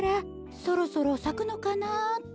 そろそろさくのかなって。